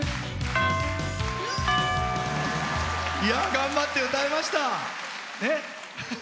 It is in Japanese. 頑張って歌いました。